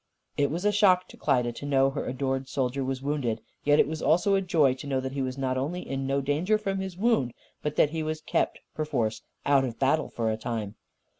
It was a shock to Klyda to know her adored soldier was wounded. Yet it was also a joy to know that he was not only in no danger from his wound, but that he was kept, perforce, out of battle, for a time.